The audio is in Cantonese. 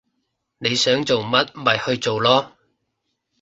你想做乜咪去做囉